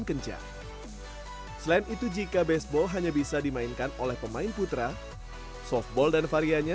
kencang selain itu jika baseball hanya bisa dimainkan oleh pemain putra softball dan variannya